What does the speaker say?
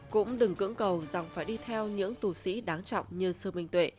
cũng đừng cưỡng cầu rằng phải đi theo những tu sĩ đáng trọng như sư minh tuệ